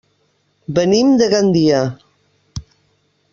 Venim de Gandia.